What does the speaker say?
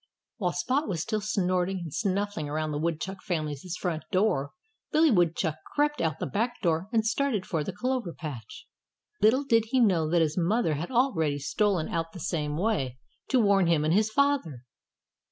While Spot was still snorting and snuffling around the Woodchuck family's front door, Billy Woodchuck crept out of the back door and started for the clover patch. Little did he know that his mother had already stolen out the same way, to warn him and his father.